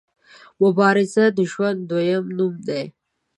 مبارزه د ژوند دویم نوم دی.